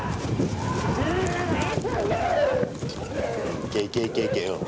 いけいけいけいけ、うん。